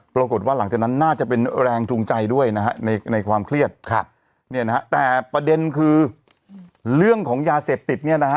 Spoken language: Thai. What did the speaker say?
ปรากฏว่าหลังจากนั้นน่าจะเป็นแรงจูงใจด้วยนะฮะในความเครียดครับเนี่ยนะฮะแต่ประเด็นคือเรื่องของยาเสพติดเนี่ยนะฮะ